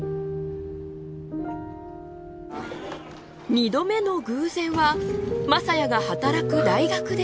二度目の偶然は雅也が働く大学で。